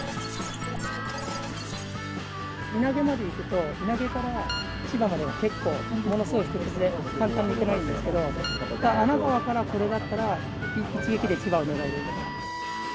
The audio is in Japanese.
稲毛まで行くと稲毛から千葉までが結構ものすごい複雑で簡単に行けないんですけど穴川からこれだったら一撃で千葉を狙える。